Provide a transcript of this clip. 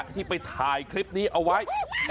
ที่ไปถ่ายคลิปนี้เอาไว้